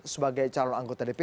sebagai calon anggota dpd